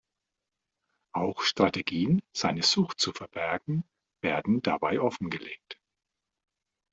Auch Strategien, seine Sucht zu verbergen, werden dabei offengelegt.